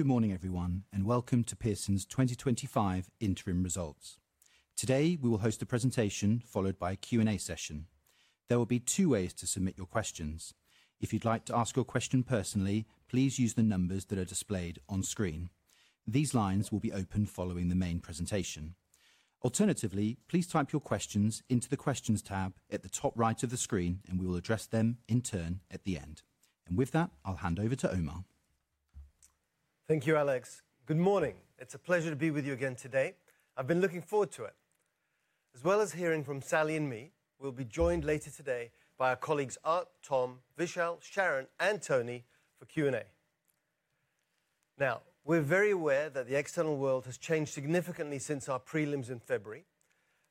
Good morning, everyone, and welcome to Pearson's 2025 interim results. Today, we will host a presentation followed by a Q&A session. There will be two ways to submit your questions. If you'd like to ask your question personally, please use the numbers that are displayed on screen. These lines will be opened following the main presentation. Alternatively, please type your questions into the questions tab at the top right of the screen, and we will address them in turn at the end. With that, I'll hand over to Omar. Thank you, Alex. Good morning. It's a pleasure to be with you again today. I've been looking forward to it. As well as hearing from Sally and me, we'll be joined later today by our colleagues Art, Tom, Vishaal, Sharon, and Tony for Q&A. We are very aware that the external world has changed significantly since our prelims in February,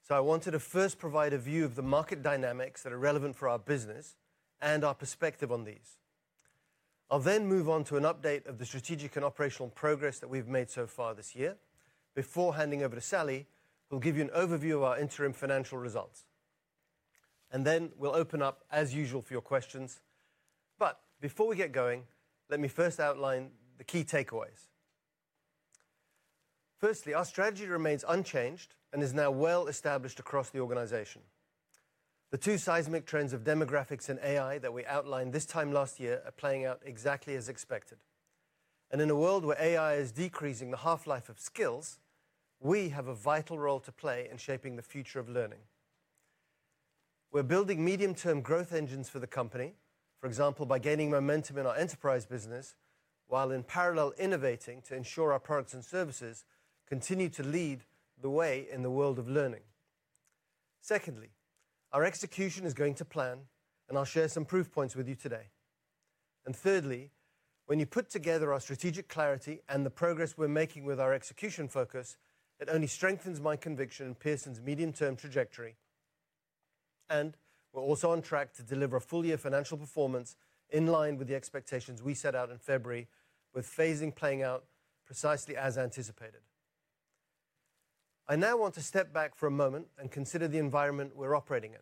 so I wanted to first provide a view of the market dynamics that are relevant for our business and our perspective on these. I'll then move on to an update of the strategic and operational progress that we've made so far this year before handing over to Sally, who'll give you an overview of our interim financial results. Then we'll open up, as usual, for your questions. Before we get going, let me first outline the key takeaways. Firstly, our strategy remains unchanged and is now well established across the organization. The two seismic trends of demographics and AI that we outlined this time last year are playing out exactly as expected. In a world where AI is decreasing the half-life of skills, we have a vital role to play in shaping the future of learning. We're building medium-term growth engines for the company, for example, by gaining momentum in our enterprise business, while in parallel innovating to ensure our products and services continue to lead the way in the world of learning. Secondly, our execution is going to plan, and I'll share some proof points with you today. Thirdly, when you put together our strategic clarity and the progress we're making with our execution focus, it only strengthens my conviction in Pearson's medium-term trajectory. We're also on track to deliver a full-year financial performance in line with the expectations we set out in February, with phasing playing out precisely as anticipated. I now want to step back for a moment and consider the environment we're operating in.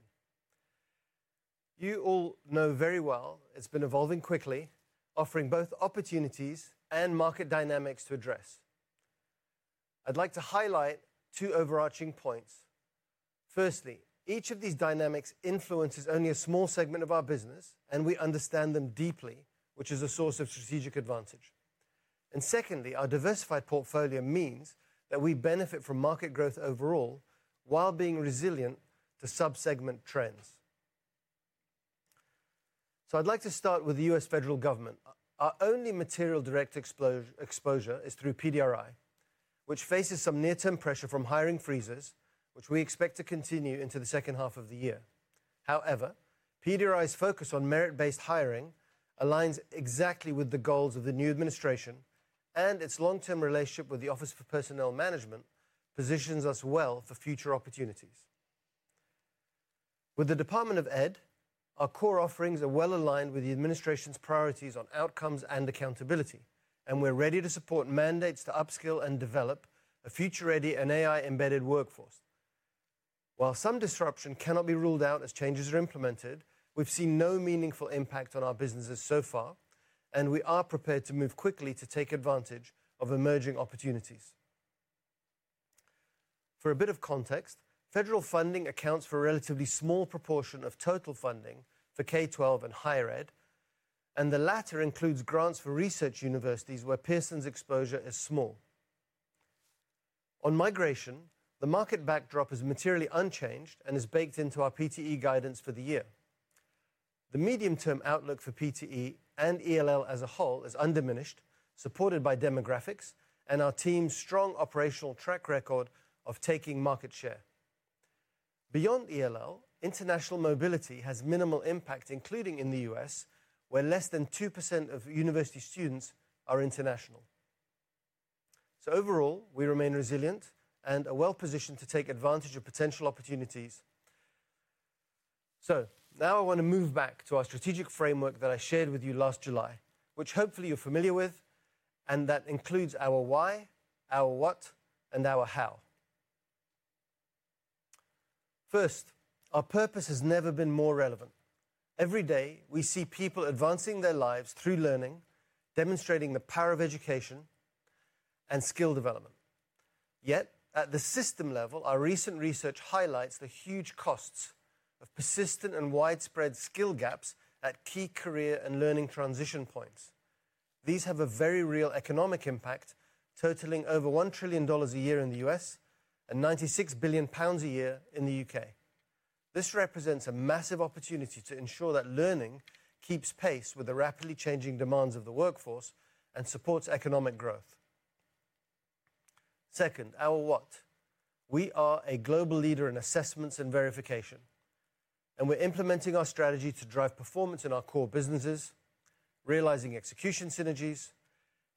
You all know very well it's been evolving quickly, offering both opportunities and market dynamics to address. I'd like to highlight two overarching points. Firstly, each of these dynamics influences only a small segment of our business, and we understand them deeply, which is a source of strategic advantage. Secondly, our diversified portfolio means that we benefit from market growth overall while being resilient to subsegment trends. I'd like to start with the U.S. federal government. Our only material direct exposure is through PDRI, which faces some near-term pressure from hiring freezes, which we expect to continue into the second half of the year. However, PDRI's focus on merit-based hiring aligns exactly with the goals of the new administration, and its long-term relationship with the Office for Personnel Management positions us well for future opportunities. With the Department of Ed, our core offerings are well aligned with the administration's priorities on outcomes and accountability, and we're ready to support mandates to upskill and develop a future-ready and AI-embedded workforce. While some disruption cannot be ruled out as changes are implemented, we've seen no meaningful impact on our businesses so far, and we are prepared to move quickly to take advantage of emerging opportunities. For a bit of context, federal funding accounts for a relatively small proportion of total funding for K-12 and Higher Education, and the latter includes grants for research universities where Pearson's exposure is small. On migration, the market backdrop is materially unchanged and is baked into our PTE guidance for the year. The medium-term outlook for PTE and ELL as a whole is undiminished, supported by demographic trends and our team's strong operational track record of taking market share. Beyond ELL, international mobility has minimal impact, including in the U.S., where less than 2% of university students are international. Overall, we remain resilient and are well positioned to take advantage of potential opportunities. Now I want to move back to our strategic framework that I shared with you last July, which hopefully you're familiar with, and that includes our why, our what, and our how. First, our purpose has never been more relevant. Every day, we see people advancing their lives through learning, demonstrating the power of education and skill development. Yet at the system level, our recent research highlights the huge costs of persistent and widespread skill gaps at key career and learning transition points. These have a very real economic impact, totaling over $1 trillion a year in the U.S. and 96 billion pounds a year in the UK. This represents a massive opportunity to ensure that learning keeps pace with the rapidly changing demands of the workforce and supports economic growth. Second, our what? We are a global leader in assessments and verification, and we're implementing our strategy to drive performance in our core businesses, realizing execution synergies,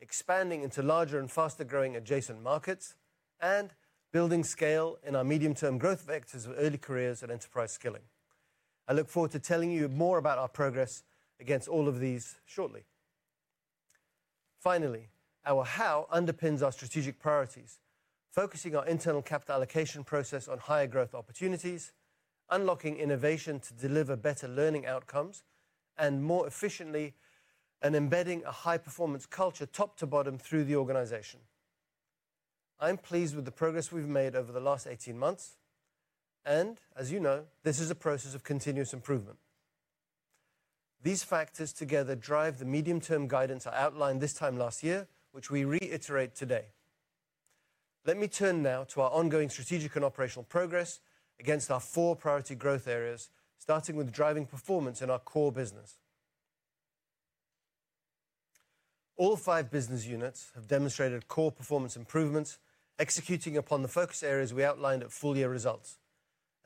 expanding into larger and faster-growing adjacent markets, and building scale in our medium-term growth vectors of early careers and enterprise skilling. I look forward to telling you more about our progress against all of these shortly. Finally, our how underpins our strategic priorities, focusing our internal capital allocation process on higher growth opportunities, unlocking innovation to deliver better learning outcomes and more efficiently embedding a high-performance culture top to bottom through the organization. I'm pleased with the progress we've made over the last 18 months, and as you know, this is a process of continuous improvement. These factors together drive the medium-term guidance I outlined this time last year, which we reiterate today. Let me turn now to our ongoing strategic and operational progress against our four priority growth areas, starting with driving performance in our core business. All five business units have demonstrated core performance improvements, executing upon the focus areas we outlined at full-year results.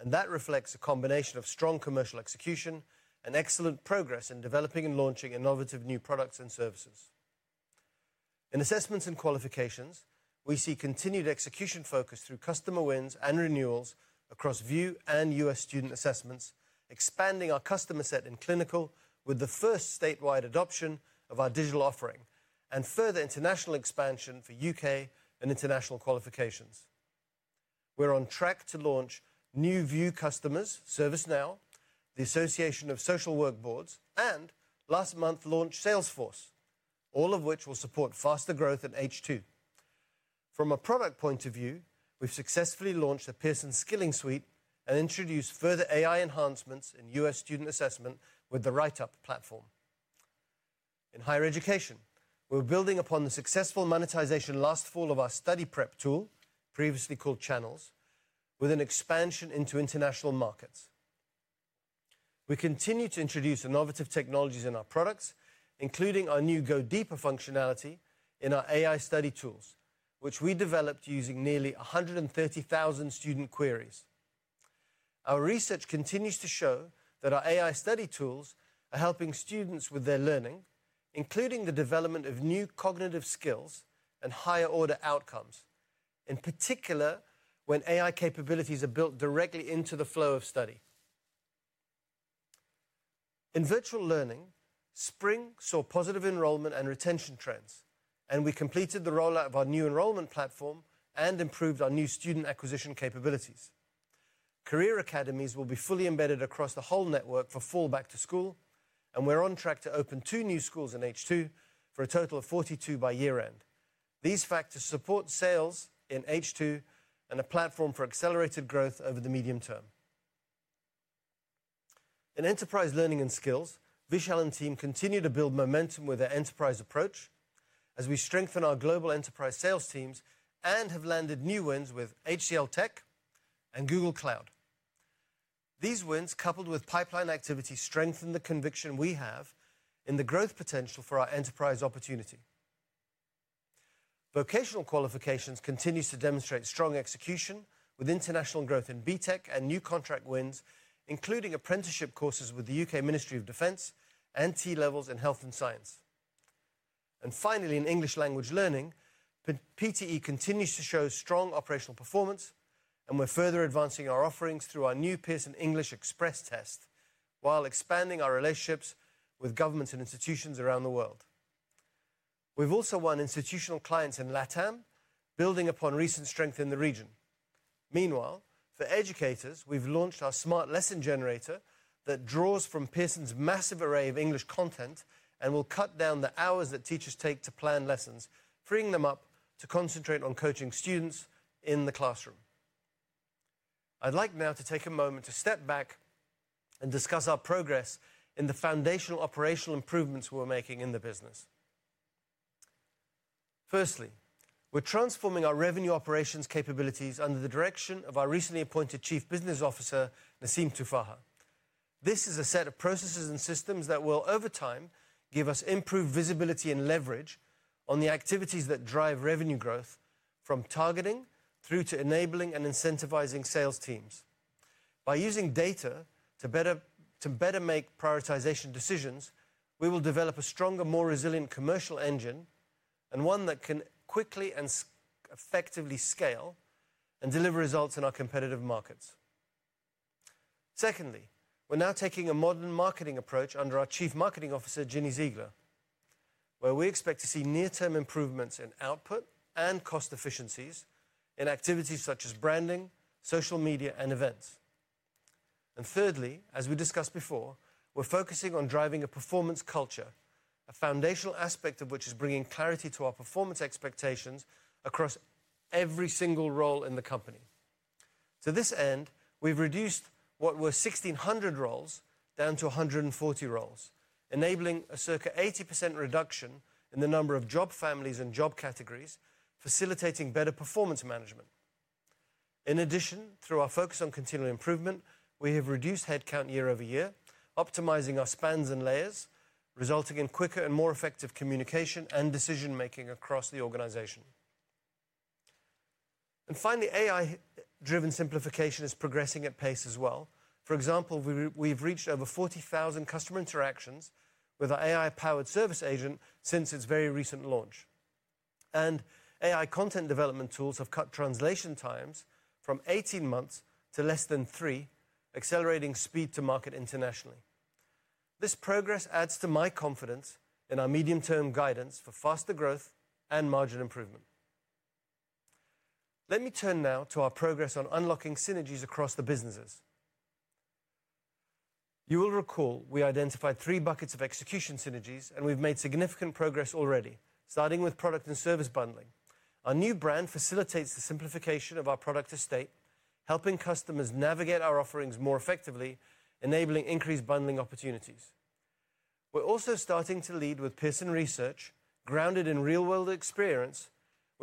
That reflects a combination of strong commercial execution and excellent progress in developing and launching innovative new products and services. In Assessments and Qualifications, we see continued execution focus through customer wins and renewals across VUE and U.S. student assessments, expanding our customer set in Clinical with the first statewide adoption of our digital offering and further international expansion for UK and international qualifications. We're on track to launch new VUE customers, ServiceNow, the Association of Social Work Boards, and last month launched Salesforce, all of which will support faster growth in H2. From a product point of view, we've successfully launched the Pearson Skilling Suite and introduced further AI enhancements in U.S. student assessment with the WriteUp! platform. In Higher Education, we're building upon the successful monetization last fall of our study prep tool, previously called Channels, with an expansion into international markets. We continue to introduce innovative technologies in our products, including our new Go Deeper functionality in our AI study tools, which we developed using nearly 130,000 student queries. Our research continues to show that our AI study tools are helping students with their learning, including the development of new cognitive skills and higher-order outcomes, in particular when AI capabilities are built directly into the flow of study. In virtual learning, spring saw positive enrollment and retention trends, and we completed the rollout of our new enrollment platform and improved our new student acquisition capabilities. Career academies will be fully embedded across the whole network for fall back to school, and we're on track to open two new schools in H2 for a total of 42 by year end. These factors support sales in H2 and a platform for accelerated growth over the medium term. In enterprise learning and skills, Vishaal and team continue to build momentum with their enterprise approach as we strengthen our global enterprise sales teams and have landed new wins with HCL Tech and Google Cloud. These wins, coupled with pipeline activity, strengthen the conviction we have in the growth potential for our enterprise opportunity. Vocational qualifications continue to demonstrate strong execution with international growth in BTEC and new contract wins, including apprenticeship courses with the UK Ministry of Defense and T-levels in health and science. Finally, in English Language Learning, PTE continues to show strong operational performance, and we're further advancing our offerings through our new Pearson English Express test while expanding our relationships with governments and institutions around the world. We've also won institutional clients in LATAM, building upon recent strength in the region. Meanwhile, for educators, we've launched our smart lesson generator that draws from Pearson's massive array of English content and will cut down the hours that teachers take to plan lessons, freeing them up to concentrate on coaching students in the classroom. I'd like now to take a moment to step back and discuss our progress in the foundational operational improvements we're making in the business. Firstly, we're transforming our revenue operations capabilities under the direction of our recently appointed Chief Business Officer, Naseem Tuffaha. This is a set of processes and systems that will, over time, give us improved visibility and leverage on the activities that drive revenue growth, from targeting through to enabling and incentivizing sales teams. By using data to better make prioritization decisions, we will develop a stronger, more resilient commercial engine, and one that can quickly and effectively scale and deliver results in our competitive markets. Secondly, we're now taking a modern marketing approach under our Chief Marketing Officer, Ginny Ziegler, where we expect to see near-term improvements in output and cost efficiencies in activities such as branding, social media, and events. Thirdly, as we discussed before, we're focusing on driving a performance culture, a foundational aspect of which is bringing clarity to our performance expectations across every single role in the company. To this end, we've reduced what were 1,600 roles down to 140 roles, enabling a circa 80% reduction in the number of job families and job categories, facilitating better performance management. In addition, through our focus on continuing improvement, we have reduced headcount year-over-year, optimizing our spans and layers, resulting in quicker and more effective communication and decision-making across the organization. Finally, AI-driven simplification is progressing at pace as well. For example, we've reached over 40,000 customer interactions with our AI-powered service agent since its very recent launch. AI content development tools have cut translation times from 18 months to less than three, accelerating speed to market internationally. This progress adds to my confidence in our medium-term guidance for faster growth and margin improvement. Let me turn now to our progress on unlocking synergies across the businesses. You will recall we identified three buckets of execution synergies, and we've made significant progress already, starting with product and service bundling. Our new brand facilitates the simplification of our product estate, helping customers navigate our offerings more effectively, enabling increased bundling opportunities. We're also starting to lead with Pearson research grounded in real-world experience,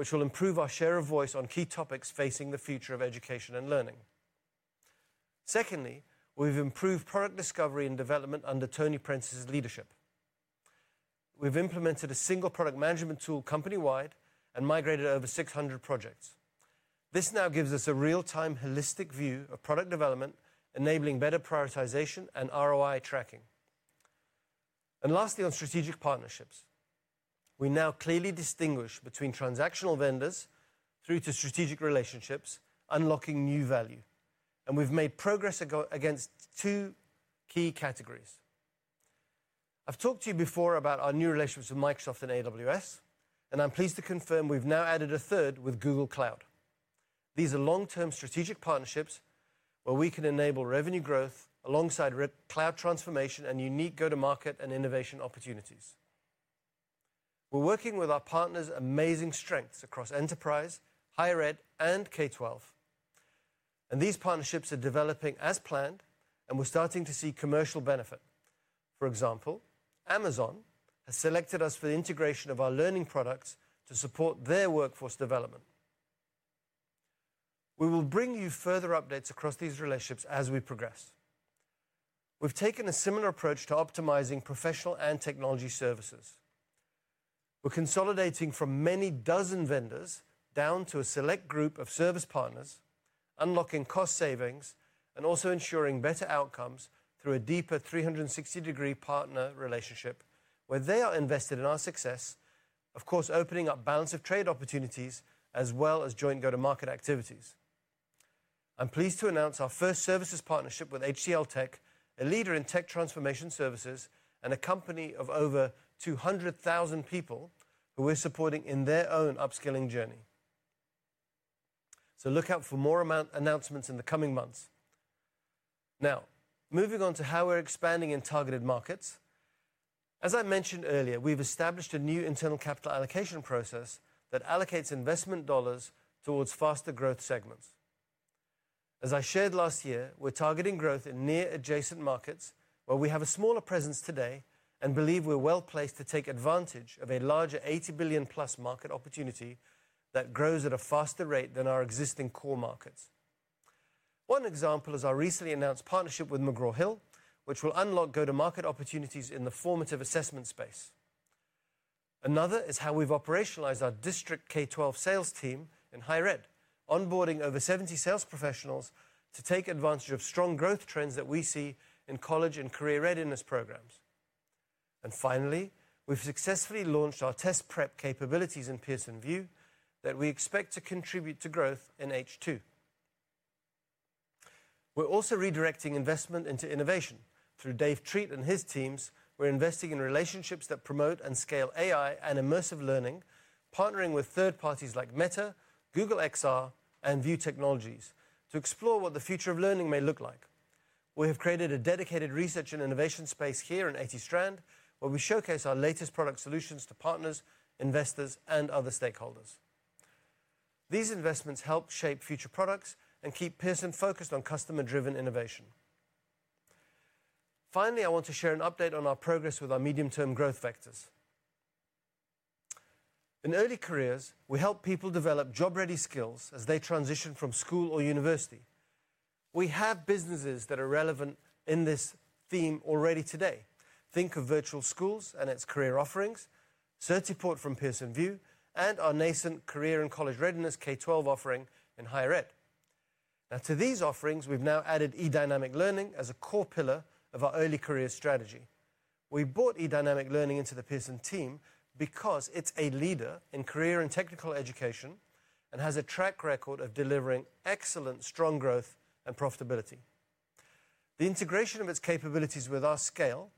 which will improve our share of voice on key topics facing the future of education and learning. Secondly, we've improved product discovery and development under Tony Prentice's leadership. We've implemented a single product management tool company-wide and migrated over 600 projects. This now gives us a real-time holistic view of product development, enabling better prioritization and ROI tracking. Lastly, on strategic partnerships, we now clearly distinguish between transactional vendors through to strategic relationships, unlocking new value. We have made progress against two key categories. I have talked to you before about our new relationships with Microsoft and AWS, and I am pleased to confirm we have now added a third with Google Cloud. These are long-term strategic partnerships where we can enable revenue growth alongside cloud transformation and unique go-to-market and innovation opportunities. We are working with our partners' amazing strengths across enterprise, higher ed, and K-12. These partnerships are developing as planned, and we are starting to see commercial benefit. For example, Amazon has selected us for the integration of our learning products to support their workforce development. We will bring you further updates across these relationships as we progress. We have taken a similar approach to optimizing professional and technology services. We are consolidating from many dozen vendors down to a select group of service partners, unlocking cost savings and also ensuring better outcomes through a deeper 360-degree partner relationship where they are invested in our success, opening up balance of trade opportunities as well as joint go-to-market activities. I am pleased to announce our first services partnership with HCL Tech, a leader in tech transformation services and a company of over 200,000 people who we are supporting in their own upskilling journey. Look out for more announcements in the coming months. Now, moving on to how we are expanding in targeted markets. As I mentioned earlier, we have established a new internal capital allocation process that allocates investment dollars towards faster growth segments. As I shared last year, we are targeting growth in near adjacent markets where we have a smaller presence today and believe we are well placed to take advantage of a larger $80 billion plus market opportunity that grows at a faster rate than our existing core markets. One example is our recently announced partnership with McGraw Hill, which will unlock go-to-market opportunities in the formative assessment space. Another is how we have operationalized our district K-12 sales team in higher ed, onboarding over 70 sales professionals to take advantage of strong growth trends that we see in college and career readiness programs. We have successfully launched our test prep capabilities in Pearson VUE that we expect to contribute to growth in H2. We are also redirecting investment into innovation through Dave Treat and his teams. We are investing in relationships that promote and scale AI and immersive learning, partnering with third parties like Meta, Google XR, and VUE Technologies to explore what the future of learning may look like. We have created a dedicated research and innovation space here in 80 Strand, where we showcase our latest product solutions to partners, investors, and other stakeholders. These investments help shape future products and keep Pearson focused on customer-driven innovation. I want to share an update on our progress with our medium-term growth vectors. In early careers, we help people develop job-ready skills as they transition from school or university. We have businesses that are relevant in this theme already today. Think of Virtual Schools and its career offerings, Certiport from Pearson VUE, and our nascent Career and College Readiness K-12 offering in Higher Education. To these offerings, we have now added eDynamic Learning as a core pillar of our early career strategy. We brought eDynamic Learning into the Pearson team because it is a leader in career and technical education and has a track record of delivering excellent, strong growth and profitability. The integration of its capabilities with our scale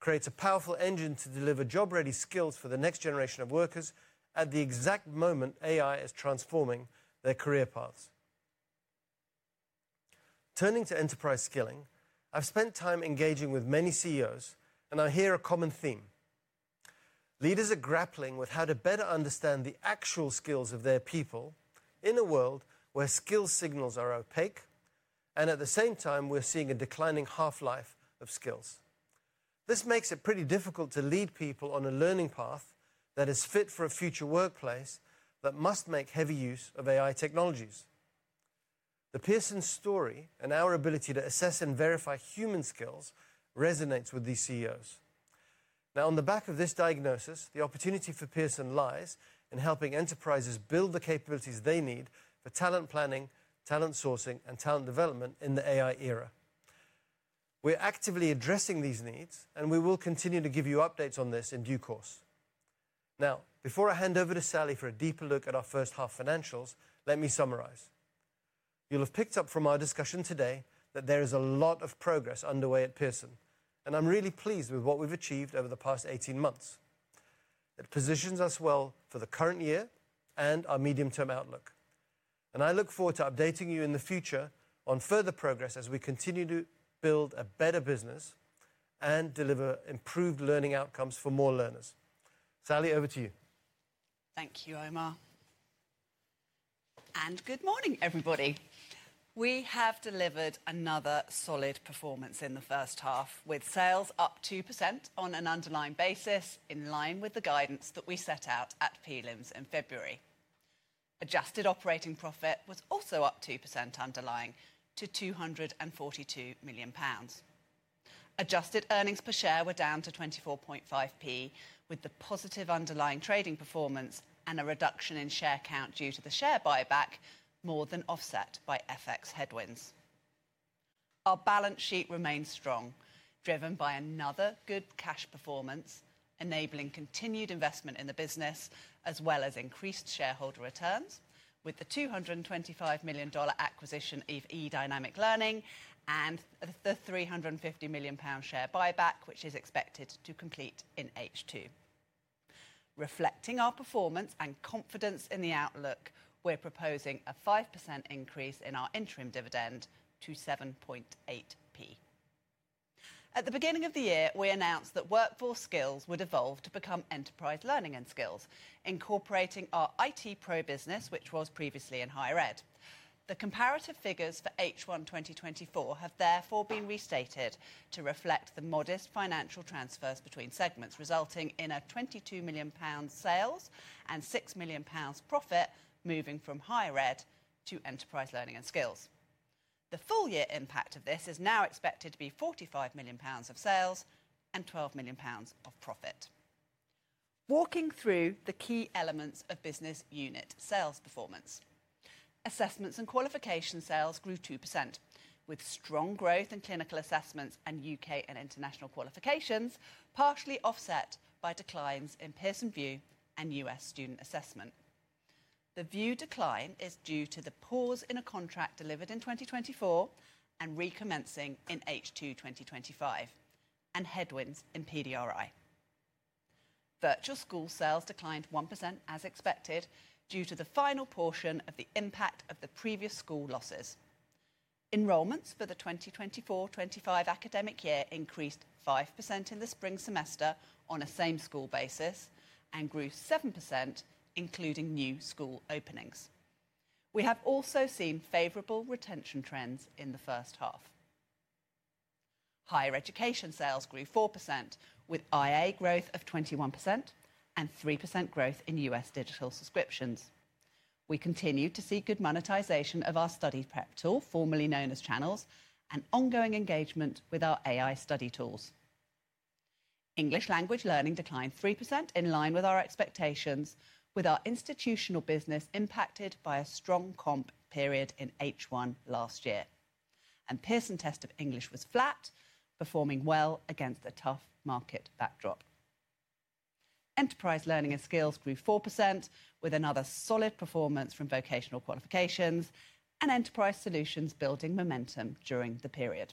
creates a powerful engine to deliver job-ready skills for the next generation of workers at the exact moment AI is transforming their career paths. Turning to enterprise skilling, I have spent time engaging with many CEOs, and I hear a common theme. Leaders are grappling with how to better understand the actual skills of their people in a world where skill signals are opaque, and at the same time, we are seeing a declining half-life of skills. This makes it pretty difficult to lead people on a learning path that is fit for a future workplace that must make heavy use of AI technologies. The Pearson story and our ability to assess and verify human skills resonates with these CEOs. On the back of this diagnosis, the opportunity for Pearson lies in helping enterprises build the capabilities they need for talent planning, talent sourcing, and talent development in the AI era. We are actively addressing these needs, and we will continue to give you updates on this in due course. Now, before I hand over to Sally for a deeper look at our first half financials, let me summarize. You'll have picked up from our discussion today that there is a lot of progress underway at Pearson, and I'm really pleased with what we've achieved over the past 18 months. It positions us well for the current year and our medium-term outlook. I look forward to updating you in the future on further progress as we continue to build a better business and deliver improved learning outcomes for more learners. Sally, over to you. Thank you, Omar. Good morning, everybody. We have delivered another solid performance in the first half, with sales up 2% on an underlying basis in line with the guidance that we set out at prelims in February. Adjusted operating profit was also up 2% underlying to 242 million pounds. Adjusted earnings per share were down to 0.245, with the positive underlying trading performance and a reduction in share count due to the share buyback more than offset by FX headwinds. Our balance sheet remains strong, driven by another good cash performance, enabling continued investment in the business as well as increased shareholder returns, with the $225 million acquisition of eDynamic Learning and the 350 million pound share buyback, which is expected to complete in H2. Reflecting our performance and confidence in the outlook, we're proposing a 5% increase in our interim dividend to 0.078. At the beginning of the year, we announced that Workforce Skills would evolve to become Enterprise Learning and Skills, incorporating our IT pro business, which was previously in Higher Ed. The comparative figures for H1 2024 have therefore been restated to reflect the modest financial transfers between segments, resulting in a 22 million pounds sales and 6 million pounds profit moving from Higher Ed to Enterprise Learning and Skills. The full-year impact of this is now expected to be 45 million pounds of sales and 12 million pounds of profit. Walking through the key elements of business unit sales performance, Assessments and Qualifications sales grew 2%, with strong growth in clinical assessments and UK and international qualifications partially offset by declines in Pearson VUE and U.S. student assessment. The VUE decline is due to the pause in a contract delivered in 2024 and recommencing in H2 2025 and headwinds in PDRI. Virtual school sales declined 1% as expected due to the final portion of the impact of the previous school losses. Enrollments for the 2024-2025 academic year increased 5% in the spring semester on a same school basis and grew 7%, including new school openings. We have also seen favorable retention trends in the first half. Higher Education sales grew 4%, with IA growth of 21% and 3% growth in U.S. digital subscriptions. We continue to see good monetization of our study prep tool, formerly known as Channels, and ongoing engagement with our AI study tools. English Language Learning declined 3% in line with our expectations, with our institutional business impacted by a strong comp period in H1 last year. Pearson Test of English was flat, performing well against a tough market backdrop. Enterprise Learning and Skills grew 4%, with another solid performance from vocational qualifications and enterprise solutions building momentum during the period.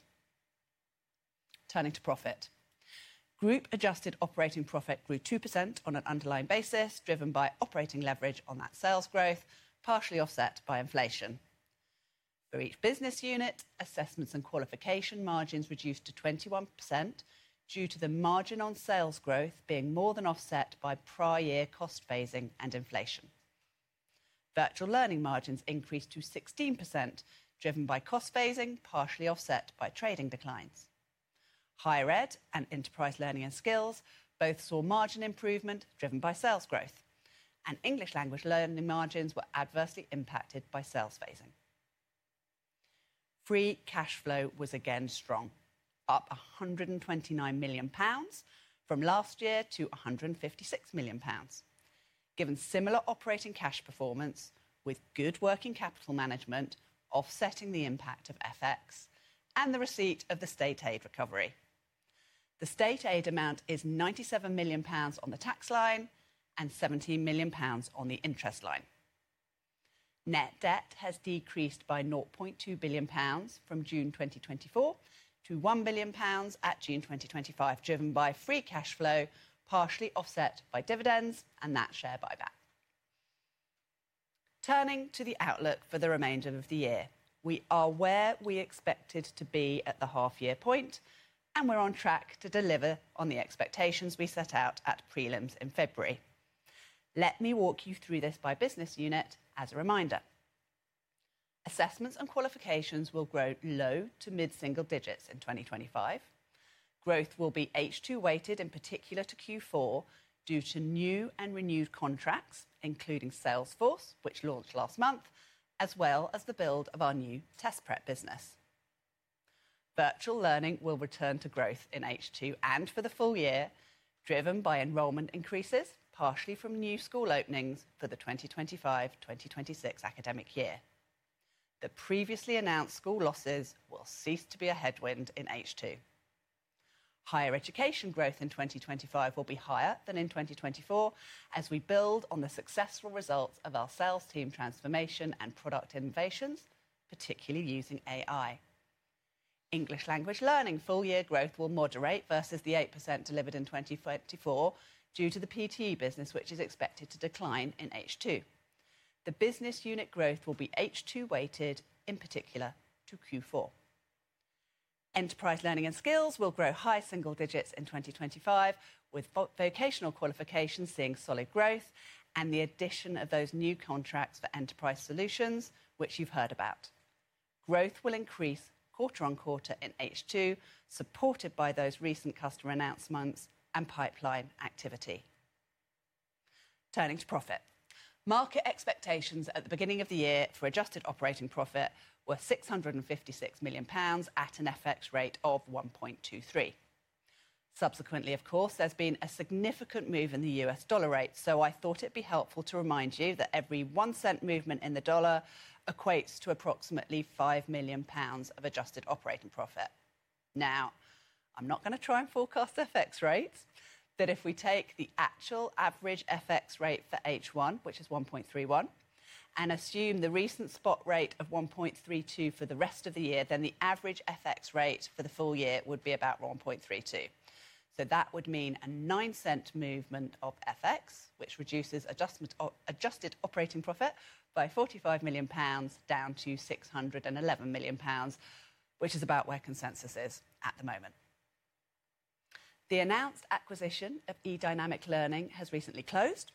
Turning to profit, group adjusted operating profit grew 2% on an underlying basis driven by operating leverage on that sales growth, partially offset by inflation. For each business unit, Assessments and Qualifications margins reduced to 21% due to the margin on sales growth being more than offset by prior year cost phasing and inflation. Virtual Learning margins increased to 16%, driven by cost phasing, partially offset by trading declines. Higher Education and Enterprise Learning and Skills both saw margin improvement driven by sales growth, and English Language Learning margins were adversely impacted by sales phasing. Free cash flow was again strong, up 129 million pounds from last year to 156 million pounds, given similar operating cash performance with good working capital management offsetting the impact of FX and the receipt of the state aid recovery. The state aid amount is 97 million pounds on the tax line and 17 million pounds on the interest line. Net debt has decreased by 0.2 billion pounds from June 2024 to 1 billion pounds at June 2025, driven by free cash flow partially offset by dividends and that share buyback. Turning to the outlook for the remainder of the year, we are where we expected to be at the half-year point, and we're on track to deliver on the expectations we set out at prelims in February. Let me walk you through this by business unit as a reminder. Assessments and Qualifications will grow low to mid-single digits in 2025. Growth will be H2 weighted, in particular to Q4, due to new and renewed contracts, including Salesforce, which launched last month, as well as the build of our new test prep business. Virtual learning will return to growth in H2 and for the full year, driven by enrollment increases partially from new school openings for the 2025-2026 academic year. The previously announced school losses will cease to be a headwind in H2. Higher Education growth in 2025 will be higher than in 2024 as we build on the successful results of our sales team transformation and product innovations, particularly using AI. English Language Learning full-year growth will moderate versus the 8% delivered in 2024 due to the PTE business, which is expected to decline in H2. The business unit growth will be H2-weighted, in particular to Q4. Enterprise Learning and Skills will grow high single digits in 2025, with vocational qualifications seeing solid growth and the addition of those new contracts for enterprise solutions, which you've heard about. Growth will increase quarter on quarter in H2, supported by those recent customer announcements and pipeline activity. Turning to profit, market expectations at the beginning of the year for adjusted operating profit were 656 million pounds at an FX rate of 1.23. Subsequently, of course, there's been a significant move in the U.S. dollar rate, so I thought it'd be helpful to remind you that every $0.01 movement in the dollar equates to approximately 5 million pounds of adjusted operating profit. Now, I'm not going to try and forecast FX rates. If we take the actual average FX rate for H1, which is 1.31, and assume the recent spot rate of 1.32 for the rest of the year, then the average FX rate for the full year would be about 1.32. That would mean a $0.09 movement of FX, which reduces adjusted operating profit by 45 million pounds down to 611 million pounds, which is about where consensus is at the moment. The announced acquisition of eDynamic Learning has recently closed,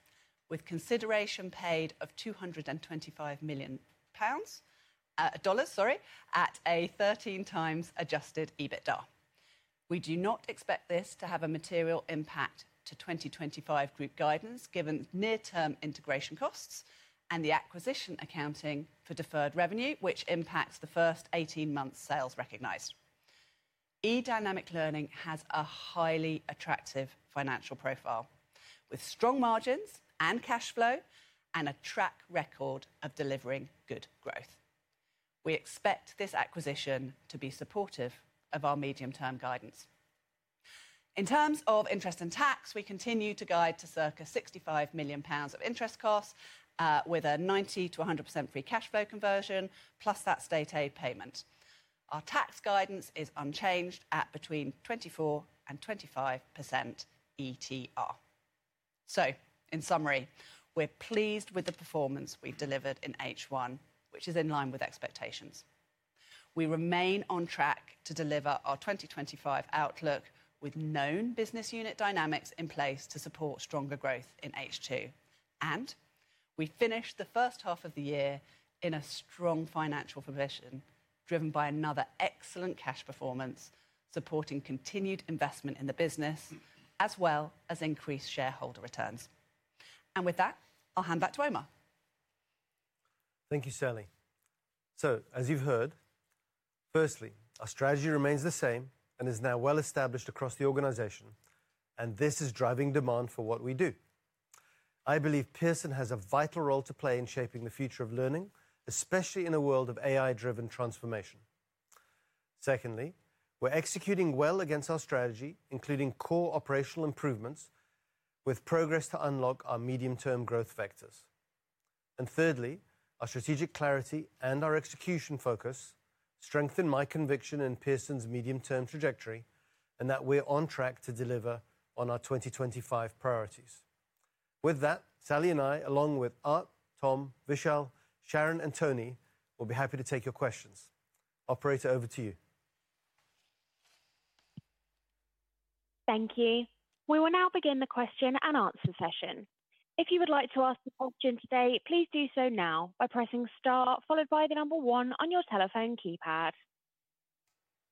with consideration paid of 225 million pounds at a 13x adjusted EBITDA. We do not expect this to have a material impact to 2025 group guidance, given near-term integration costs and the acquisition accounting for deferred revenue, which impacts the first 18 months sales recognized. eDynamic Learning has a highly attractive financial profile, with strong margins and cash flow and a track record of delivering good growth. We expect this acquisition to be supportive of our medium-term guidance. In terms of interest and tax, we continue to guide to circa 65 million pounds of interest costs with a 90%-100% free cash flow conversion, plus that state aid payment. Our tax guidance is unchanged at between 24% and 25% ETR. In summary, we're pleased with the performance we've delivered in H1, which is in line with expectations. We remain on track to deliver our 2025 outlook with known business unit dynamics in place to support stronger growth in H2. We finish the first half of the year in a strong financial position, driven by another excellent cash performance, supporting continued investment in the business as well as increased shareholder returns. With that, I'll hand back to Omar. Thank you, Sally. As you've heard, firstly, our strategy remains the same and is now well established across the organization, and this is driving demand for what we do. I believe Pearson has a vital role to play in shaping the future of learning, especially in a world of AI-driven transformation. Secondly, we're executing well against our strategy, including core operational improvements, with progress to unlock our medium-term growth vectors. Thirdly, our strategic clarity and our execution focus strengthen my conviction in Pearson's medium-term trajectory and that we're on track to deliver on our 2025 priorities. With that, Sally and I, along with Art, Tom, Vishaal, Sharon, and Tony, will be happy to take your questions. Operator, over to you. Thank you. We will now begin the question and answer session. If you would like to ask a question today, please do so now by pressing star, followed by the number one on your telephone keypad.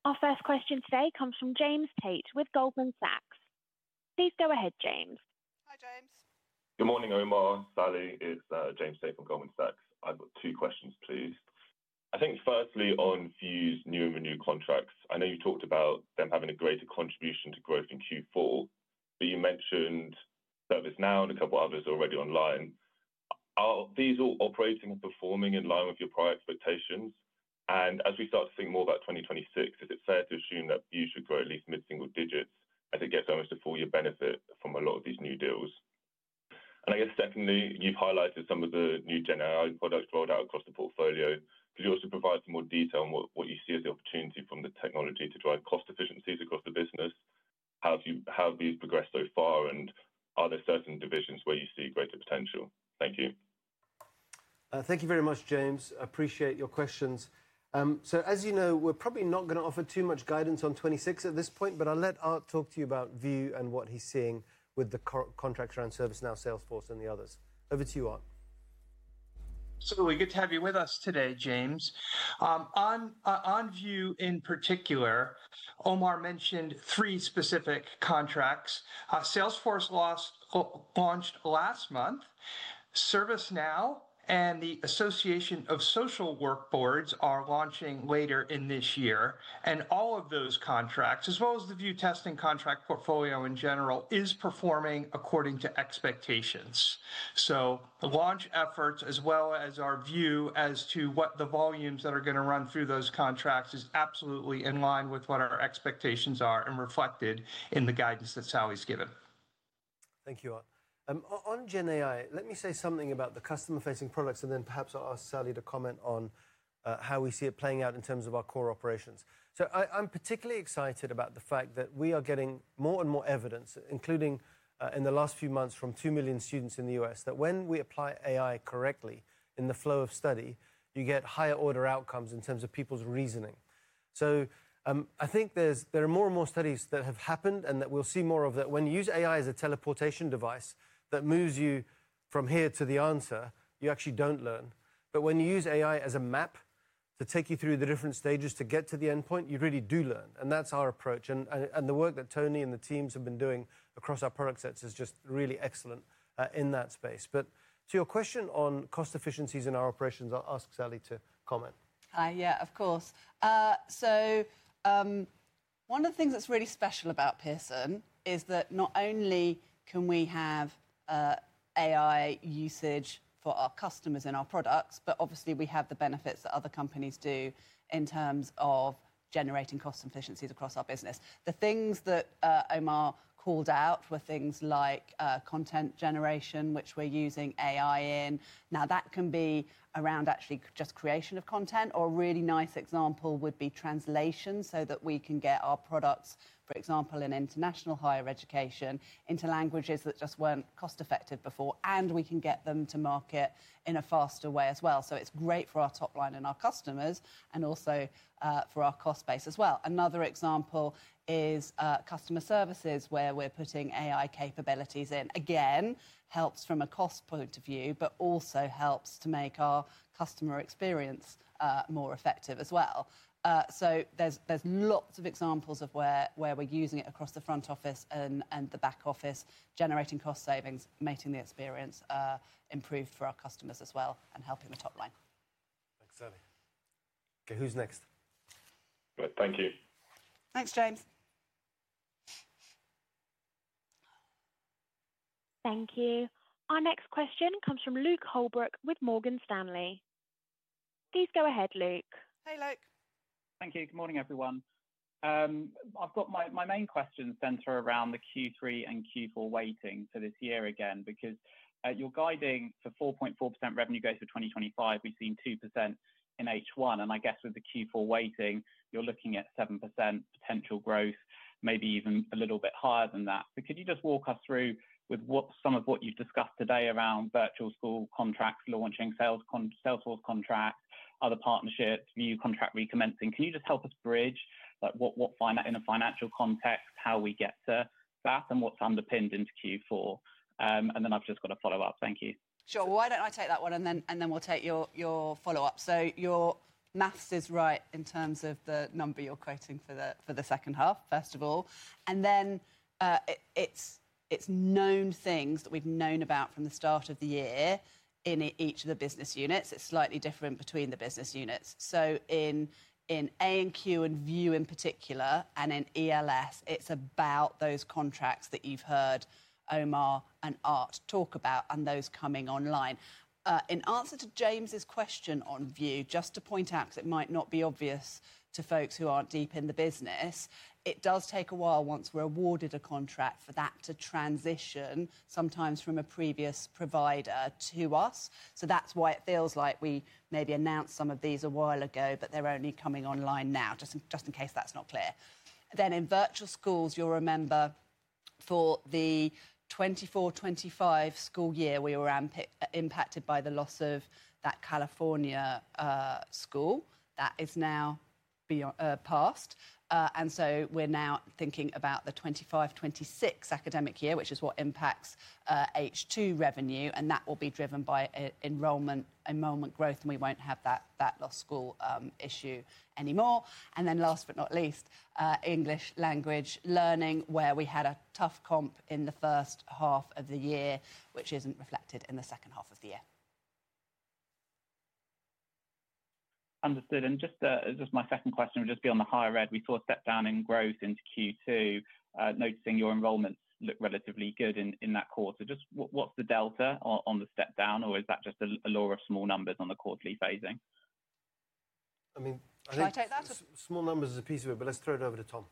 Our first question today comes from James Tate with Goldman Sachs. Please go ahead, James. Hi, James. Good morning, Omar. Sally, it's James Tate from Goldman Sachs. I've got two questions, please. Firstly, on VUE's new and renewed contracts, I know you talked about them having a greater contribution to growth in Q4, but you mentioned ServiceNow and a couple of others already online. Are these all operating and performing in line with your prior expectations? As we start to think more about 2026, is it fair to assume that VUE should grow at least mid-single digits as it gets almost a full-year benefit from a lot of these new deals? Secondly, you've highlighted some of the new Gen AI products rolled out across the portfolio. Could you also provide some more detail on what you see as the opportunity from the technology to drive cost efficiencies across the business? How have these progressed so far, and are there certain divisions where you see greater potential? Thank you. Thank you very much, James. I appreciate your questions. As you know, we're probably not going to offer too much guidance on 2026 at this point, but I'll let Art talk to you about VUE and what he's seeing with the contracts around ServiceNow, Salesforce, and the others. Over to you, Art. Certainly good to have you with us today, James. On VUE in particular, Omar mentioned three specific contracts. Salesforce launched last month, ServiceNow and the Association of Social Work Boards are launching later in this year. All of those contracts, as well as the VUE testing contract portfolio in general, is performing according to expectations. The launch efforts, as well as our view as to what the volumes that are going to run through those contracts, is absolutely in line with what our expectations are and reflected in the guidance that Sally's given. Thank you, Art. On Gen AI, let me say something about the customer-facing products, and then perhaps I'll ask Sally to comment on how we see it playing out in terms of our core operations. I'm particularly excited about the fact that we are getting more and more evidence, including in the last few months from 2 million students in the U.S., that when we apply AI correctly in the flow of study, you get higher order outcomes in terms of people's reasoning. I think there are more and more studies that have happened and that we'll see more of that. When you use AI as a teleportation device that moves you from here to the answer, you actually don't learn. When you use AI as a map to take you through the different stages to get to the endpoint, you really do learn. That's our approach. The work that Tony and the teams have been doing across our product sets is just really excellent in that space. To your question on cost efficiencies in our operations, I'll ask Sally to comment. Of course. One of the things that's really special about Pearson is that not only can we have AI usage for our customers in our products, but obviously we have the benefits that other companies do in terms of generating cost efficiencies across our business. The things that Omar called out were things like content generation, which we're using AI in. That can be around actually just creation of content, or a really nice example would be translation so that we can get our products, for example, in international higher education into languages that just weren't cost effective before. We can get them to market in a faster way as well. It's great for our top line and our customers and also for our cost base as well. Another example is customer services where we're putting AI capabilities in. Again, helps from a cost point of view, but also helps to make our customer experience more effective as well. There are lots of examples of where we're using it across the front office and the back office, generating cost savings, making the experience improve for our customers as well, and helping the top line. Thanks, Sally. Okay, who's next? Thank you. Thanks, James. Thank you. Our next question comes from Luke Holbrook with Morgan Stanley. Please go ahead, Luke. Hey, Luke. Thank you. Good morning, everyone. I've got my main question centered around the Q3 and Q4 weighting for this year again, because you're guiding for 4.4% revenue goals for 2025. We've seen 2% in H1, and I guess with the Q4 weighting, you're looking at 7% potential growth, maybe even a little bit higher than that. Could you just walk us through with some of what you've discussed today around virtual school contracts launching, Salesforce contracts, other partnerships, new contract recommencing? Can you just help us bridge in a financial context how we get to that and what's underpinned into Q4? I've just got a follow-up. Thank you. Sure. Why don't I take that one and then we'll take your follow-up. Your maths is right in terms of the number you're quoting for the second half, first of all. It's known things that we've known about from the start of the year in each of the business units. It's slightly different between the business units. In AQ and VUE in particular, and in ELL, it's about those contracts that you've heard Omar and Art talk about and those coming online. In answer to James's question on VUE, just to point out, because it might not be obvious to folks who aren't deep in the business, it does take a while once we're awarded a contract for that to transition sometimes from a previous provider to us. That's why it feels like we maybe announced some of these a while ago, but they're only coming online now, just in case that's not clear. In virtual schools, you'll remember for the 2024-2025 school year, we were impacted by the loss of that California school that is now passed. We're now thinking about the 2025-2026 academic year, which is what impacts H2 revenue, and that will be driven by enrollment growth, and we won't have that lost school issue anymore. Last but not least, English Language Learning, where we had a tough comp in the first half of the year, which isn't reflected in the second half of the year. Understood. My second question would just be on Higher Ed. We saw a step down in growth into Q2, noticing your enrollments look relatively good in that quarter. What's the delta on the step down, or is that just a law of small numbers on the quarterly phasing? If I take that, small numbers is a piece of it, but let's throw it over to Tom.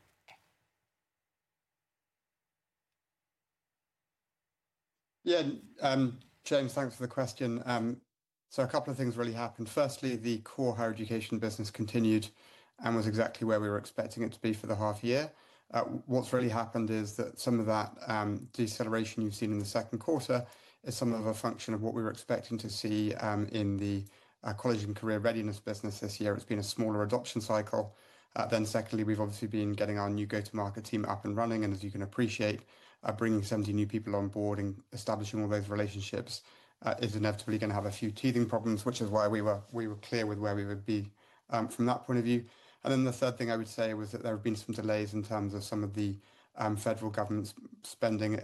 Yeah, James, thanks for the question. A couple of things really happened. Firstly, the core Higher Education business continued and was exactly where we were expecting it to be for the half year. What's really happened is that some of that deceleration you've seen in the second quarter is some of a function of what we were expecting to see in the college and career readiness business this year. It's been a smaller adoption cycle. Secondly, we've obviously been getting our new go-to-market team up and running, and as you can appreciate, bringing 70 new people on board and establishing all those relationships is inevitably going to have a few teething problems, which is why we were clear with where we would be from that point of view. The third thing I would say was that there have been some delays in terms of some of the federal government's spending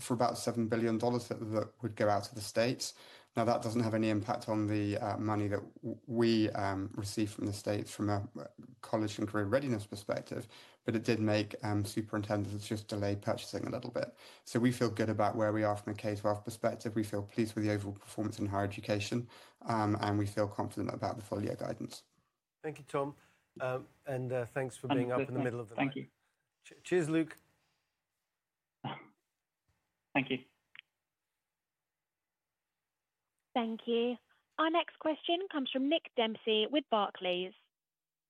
for about $7 billion that would go out to the states. That doesn't have any impact on the money that we receive from the states from a college and career readiness perspective, but it did make superintendents just delay purchasing a little bit. We feel good about where we are from a K-12 perspective. We feel pleased with the overall performance in Higher Education, and we feel confident about the full year guidance. Thank you, Tom. Thanks for being up in the middle of the night. Thank you. Cheers, Luke. Thank you. Thank you. Our next question comes from Nick Dempsey with Barclays.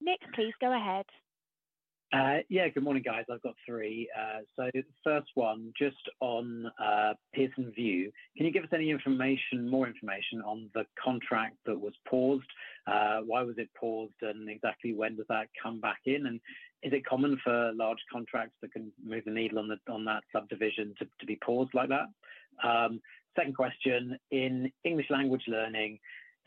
Nick, please go ahead. Good morning, guys. I've got three. The first one, just on Pearson VUE, can you give us any more information on the contract that was paused? Why was it paused and exactly when does that come back in? Is it common for large contracts that can move the needle on that subdivision to be paused like that? Second question, in English Language Learning,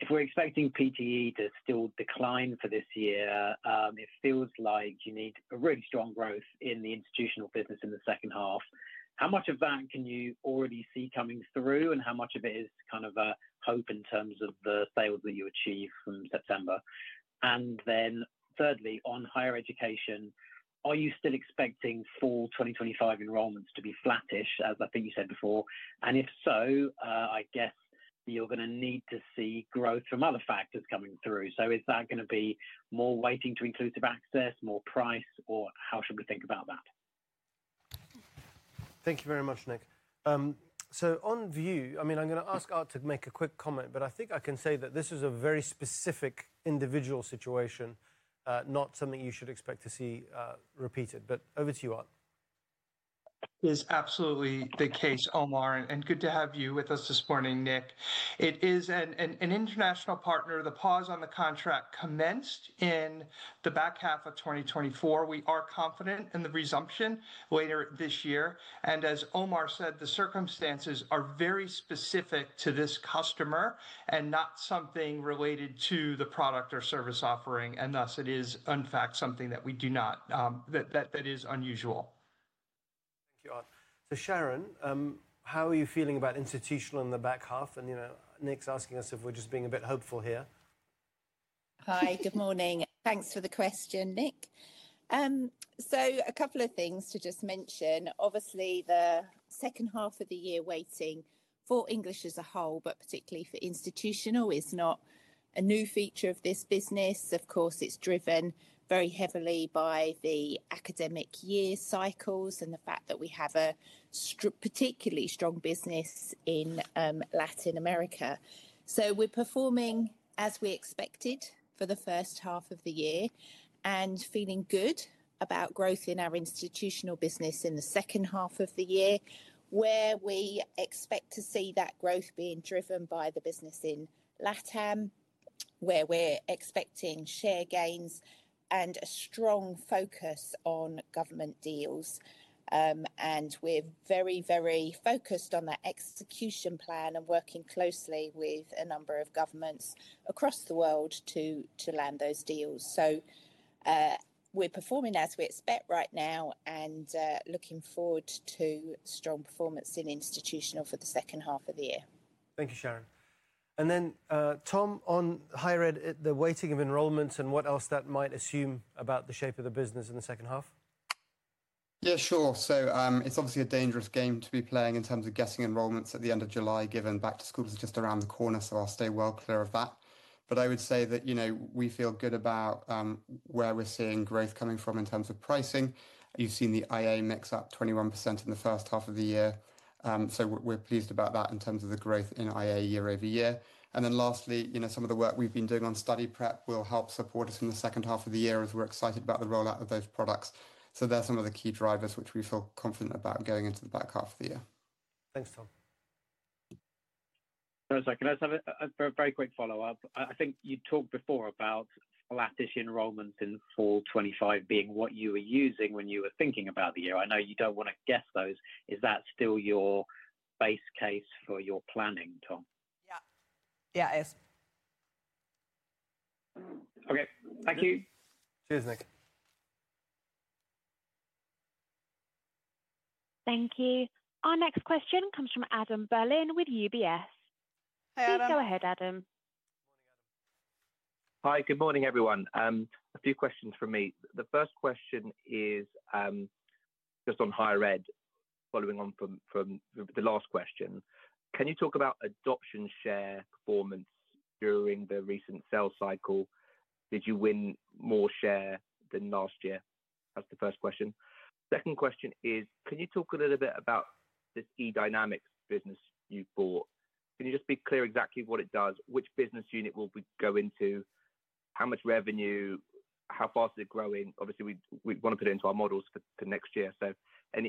if we're expecting PTE to still decline for this year, it feels like you need really strong growth in the institutional business in the second half. How much of that can you already see coming through and how much of it is kind of a hope in terms of the sales that you achieve from September? Thirdly, on Higher Education, are you still expecting full 2025 enrollments to be flattish, as I think you said before? If so, I guess you're going to need to see growth from other factors coming through. Is that going to be more waiting to inclusive access, more price, or how should we think about that? Thank you very much, Nick. On VUE, I'm going to ask Art Valentine to make a quick comment. I think I can say that this is a very specific individual situation, not something you should expect to see repeated. Over to you, Art. It is absolutely the case, Omar, and good to have you with us this morning, Nick. It is an international partner. The pause on the contract commenced in the back half of 2024. We are confident in the resumption later this year. As Omar said, the circumstances are very specific to this customer and not something related to the product or service offering. It is, in fact, something that we do not, that is unusual. Thank you, Art. Sharon, how are you feeling about institutional in the back half? Nick's asking us if we're just being a bit hopeful here. Hi, good morning. Thanks for the question, Nick. A couple of things to just mention. Obviously, the second half of the year weighting for English as a whole, but particularly for institutional, is not a new feature of this business. It's driven very heavily by the academic year cycles and the fact that we have a particularly strong business in Latin America. We're performing as we expected for the first half of the year and feeling good about growth in our institutional business in the second half of the year, where we expect to see that growth being driven by the business in Latin America, where we're expecting share gains and a strong focus on government deals. We're very, very focused on that execution plan and working closely with a number of governments across the world to land those deals. We're performing as we expect right now and looking forward to strong performance in institutional for the second half of the year. Thank you, Sharon. Tom, on Higher Ed, the weighting of enrollments and what else that might assume about the shape of the business in the second half? Yeah, sure. It's obviously a dangerous game to be playing in terms of guessing enrollments at the end of July, given back to schools are just around the corner. I'll stay well clear of that. I would say that we feel good about where we're seeing growth coming from in terms of pricing. You've seen the IA mix up 21% in the first half of the year. We're pleased about that in terms of the growth in IA year-over-year. Lastly, some of the work we've been doing on study prep will help support us in the second half of the year as we're excited about the rollout of those products. They're some of the key drivers which we feel confident about going into the back half of the year. Thanks, Tom. Can I just have a very quick follow-up? I think you talked before about flattish enrollments in 2025 being what you were using when you were thinking about the year. I know you don't want to guess those. Is that still your base case for your planning, Tom? Yeah, it is. Okay, thank you. Cheers, Nick. Thank you. Our next question comes from Adam Berlin with UBS. Hey, Adam. Please go ahead, Adam. Hi, good morning, everyone. A few questions from me. The first question is just on Higher Ed, following on from the last question. Can you talk about adoption share performance during the recent sales cycle? Did you win more share than last year? That's the first question. Second question is, can you talk a little bit about this eDynamic business you bought? Can you just be clear exactly what it does? Which business unit will it go into? How much revenue? How fast is it growing? Obviously, we want to put it into our models for next year.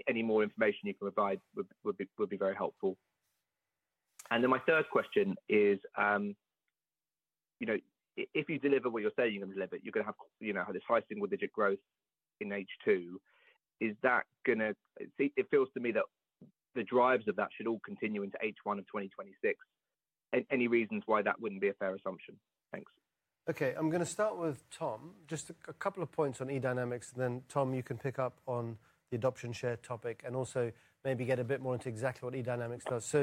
Any more information you can provide would be very helpful. My third question is, if you deliver what you're saying you're going to deliver, you're going to have this high single-digit growth in H2. Is that going to... It feels to me that the drivers of that should all continue into H1 of 2026. Any reasons why that wouldn't be a fair assumption? Thanks. Okay, I'm going to start with Tom. Just a couple of points on eDynamic, and then Tom, you can pick up on the adoption share topic and also maybe get a bit more into exactly what eDynamic does.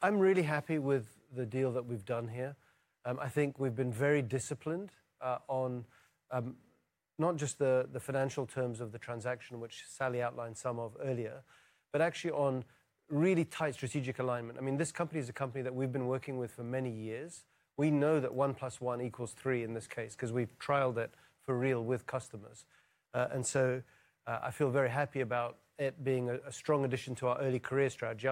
I'm really happy with the deal that we've done here. I think we've been very disciplined on not just the financial terms of the transaction, which Sally outlined some of earlier, but actually on really tight strategic alignment. This company is a company that we've been working with for many years. We know that one plus one equals three in this case because we've trialed it for real with customers. I feel very happy about it being a strong addition to our early careers strategy.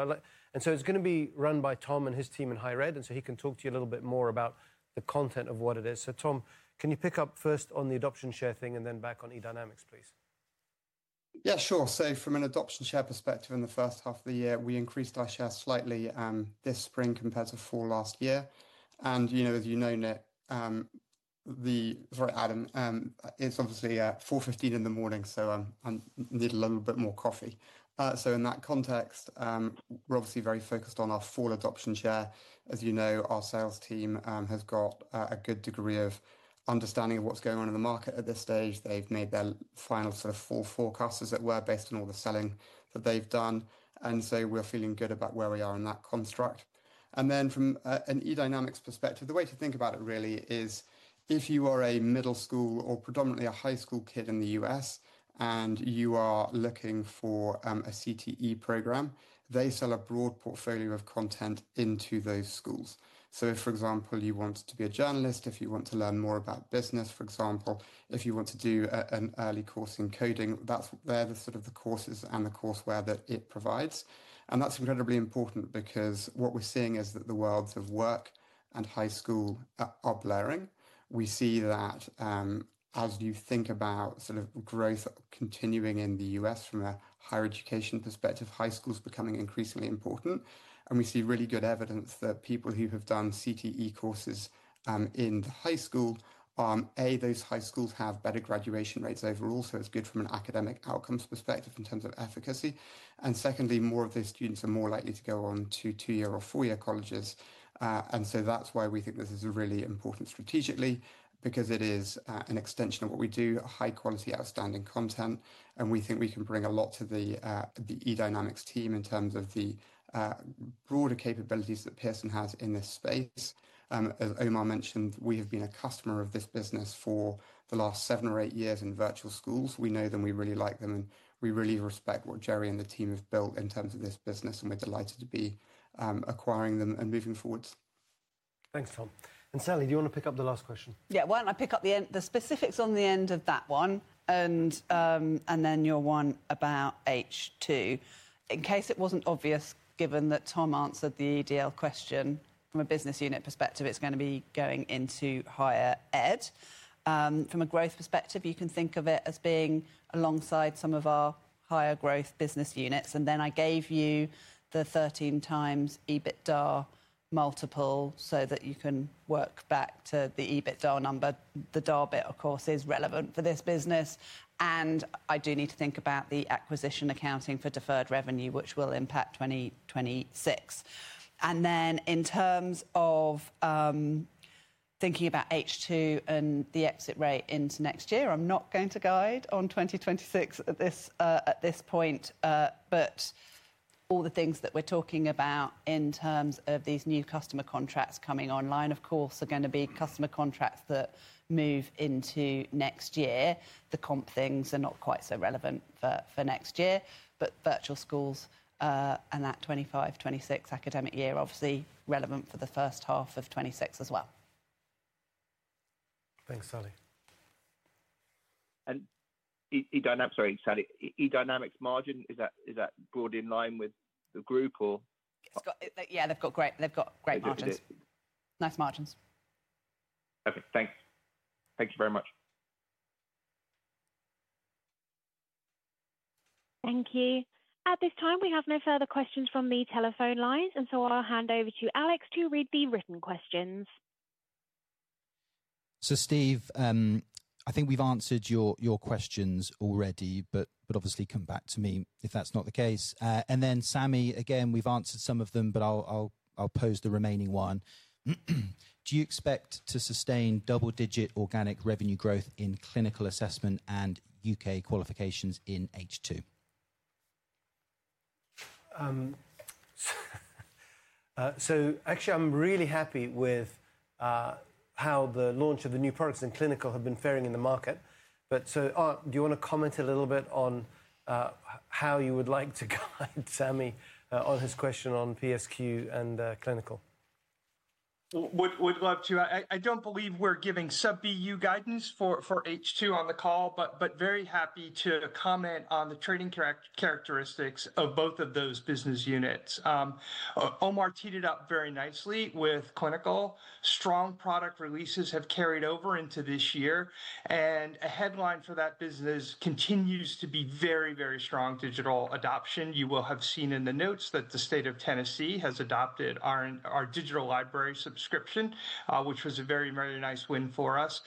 It's going to be run by Tom and his team in Higher Ed, and he can talk to you a little bit more about the content of what it is. Tom, can you pick up first on the adoption share thing and then back on eDynamic, please? Yeah, sure. From an adoption share perspective in the first half of the year, we increased our share slightly this spring compared to fall last year. As you know, Adam, it's obviously 4:15 A.M., so I need a little bit more coffee. In that context, we're obviously very focused on our fall adoption share. As you know, our sales team has got a good degree of understanding of what's going on in the market at this stage. They've made their final sort of fall forecast, as it were, based on all the selling that they've done, and we're feeling good about where we are in that construct. From an eDynamic perspective, the way to think about it really is if you are a middle school or predominantly a high school kid in the U.S. and you are looking for a CTE program, they sell a broad portfolio of content into those schools. For example, if you want to be a journalist, if you want to learn more about business, if you want to do an early course in coding, they're the courses and the courseware that it provides. That's incredibly important because what we're seeing is that the worlds of work and high school are blurring. We see that as you think about growth continuing in the U.S. from a Higher Education perspective, high school is becoming increasingly important. We see really good evidence that people who have done CTE courses in high school, A, those high schools have better graduation rates overall, so it's good from an academic outcomes perspective in terms of efficacy, and secondly, more of those students are more likely to go on to two-year or four-year colleges. That's why we think this is really important strategically because it is an extension of what we do, high quality, outstanding content. We think we can bring a lot to the eDynamic team in terms of the broader capabilities that Pearson has in this space. As Omar mentioned, we have been a customer of this business for the last seven or eight years in virtual schools. We know them, we really like them, and we really respect what Jerry and the team have built in terms of this business. We're delighted to be acquiring them and moving forwards. Thanks, Tom. Sally, do you want to pick up the last question? Yeah, why don't I pick up the specifics on the end of that one and then your one about H2? In case it wasn't obvious, given that Tom answered the eDL question, from a business unit perspective, it's going to be going into Higher Education. From a growth perspective, you can think of it as being alongside some of our higher growth business units. I gave you the 13x EBITDA multiple so that you can work back to the EBITDA number. The DAR bit, of course, is relevant for this business. I do need to think about the acquisition accounting for deferred revenue, which will impact 2026. In terms of thinking about H2 and the exit rate into next year, I'm not going to guide on 2026 at this point. All the things that we're talking about in terms of these new customer contracts coming online, of course, are going to be customer contracts that move into next year. The comp things are not quite so relevant for next year, but virtual schools and that 2025-2026 academic year, obviously, relevant for the first half of 2026 as well. Thanks, Sally. Sorry, Sally, eDynamic's margin, is that broadly in line with the group or? Yeah, they've got great margins, nice margins. Okay, thanks. Thank you very much. Thank you. At this time, we have no further questions from the telephone lines, and I'll hand over to Alex to read the written questions. Steve, I think we've answered your questions already, but obviously come back to me if that's not the case. Sami, again, we've answered some of them, but I'll pose the remaining one. Do you expect to sustain double-digit organic revenue growth in clinical assessment and UK qualifications in H2? I'm really happy with how the launch of the new products in clinical have been faring in the market. Art, do you want to comment a little bit on how you would like to guide Sami on his question on PSQ and Clinical? I don't believe we're giving sub-BU guidance for H2 on the call, but very happy to comment on the trading characteristics of both of those business units. Omar teed it up very nicely with clinical. Strong product releases have carried over into this year, and a headline for that business continues to be very, very strong digital adoption. You will have seen in the notes that the state of Tennessee has adopted our digital library subscription, which was a very, very nice win for us.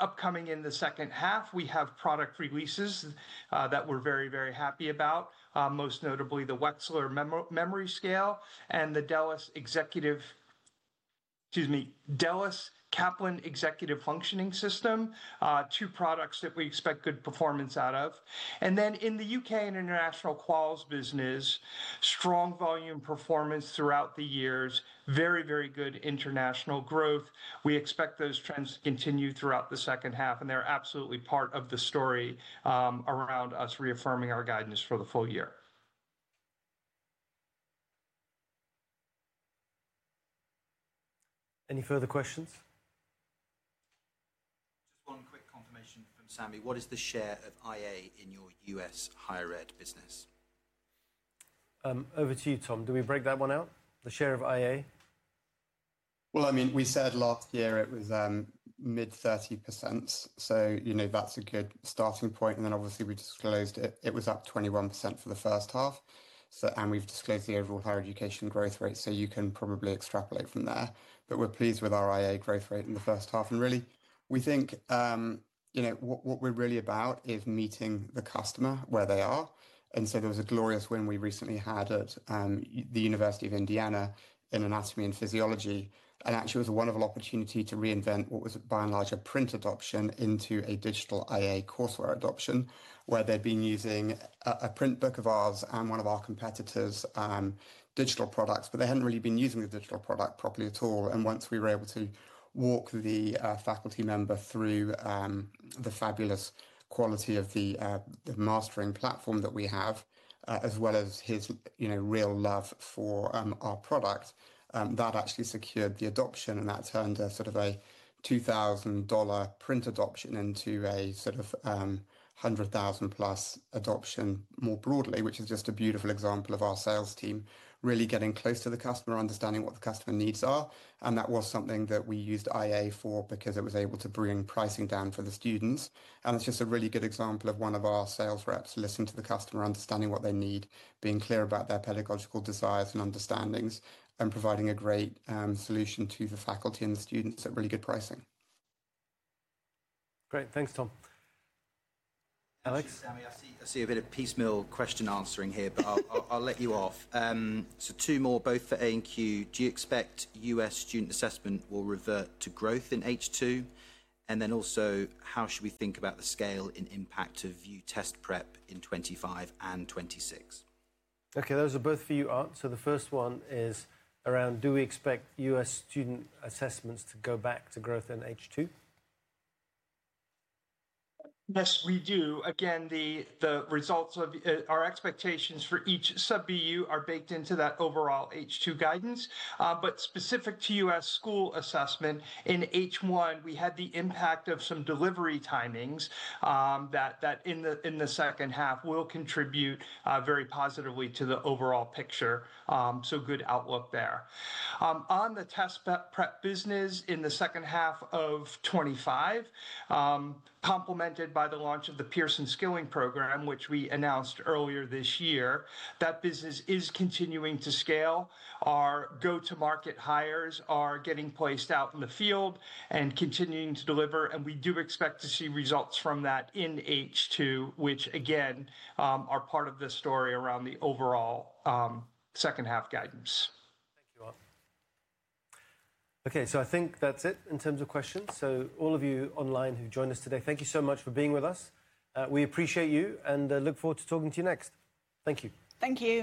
Upcoming in the second half, we have product releases that we're very, very happy about, most notably the Wechsler Memory Scale and the Delis-Kaplan Executive Function System, two products that we expect good performance out of. In the UK and international quals business, strong volume performance throughout the years, very, very good international growth. We expect those trends to continue throughout the second half, and they're absolutely part of the story around us reaffirming our guidance for the full year. Any further questions? Just one quick confirmation from Sally. What is the share of AI in your U.S. Higher Ed business? Over to you, Tom. Do we break that one out? The share of IA? I mean, we said last year it was mid-30%. You know that's a good starting point. Obviously, we disclosed it was up 21% for the first half, and we've disclosed the overall Higher Education growth rate. You can probably extrapolate from there. We're pleased with our IA growth rate in the first half. What we're really about is meeting the customer where they are. There was a glorious win we recently had at the University of Indiana in anatomy and physiology. Actually, it was a wonderful opportunity to reinvent what was by and large a print adoption into a digital IA courseware adoption, where they'd been using a print book of ours and one of our competitors' digital products. They hadn't really been using the digital product properly at all. Once we were able to walk the faculty member through the fabulous quality of the mastering platform that we have, as well as his real love for our product, that actually secured the adoption. That turned a sort of $2,000 print adoption into a sort of $100,000+ adoption more broadly, which is just a beautiful example of our sales team really getting close to the customer, understanding what the customer needs are. That was something that we used IA for because it was able to bring pricing down for the students. It's just a really good example of one of our sales reps listening to the customer, understanding what they need, being clear about their pedagogical desires and understandings, and providing a great solution to the faculty and the students at really good pricing. Great. Thanks, Tom. Alex? I see a bit of piecemeal question answering here, but I'll let you off. Two more, both for AQ. Do you expect U.S. student assessment will revert to growth in H2? Also, how should we think about the scale and impact of VUE test prep in 2025 and 2026? Okay, those are both for you, Art. The first one is around, do we expect U.S. student assessments to go back to growth in H2? Yes, we do. Again, the results of our expectations for each sub-BU are baked into that overall H2 guidance. Specific to U.S. school assessment, in H1, we had the impact of some delivery timings that in the second half will contribute very positively to the overall picture. Good outlook there. On the test prep business in the second half of 2025, complemented by the launch of the Pearson Skilling Program, which we announced earlier this year, that business is continuing to scale. Our go-to-market hires are getting placed out in the field and continuing to deliver. We do expect to see results from that in H2, which again are part of the story around the overall second half guidance. Thank you, Art. I think that's it in terms of questions. To all of you online who've joined us today, thank you so much for being with us. We appreciate you and look forward to talking to you next. Thank you. Thank you.